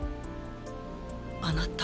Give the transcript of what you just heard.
あなたは？